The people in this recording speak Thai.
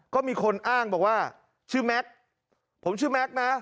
ก็มีคนอ้างบอกว่าชื่อแม็กซ์ผมชื่อแม็กซ์นะ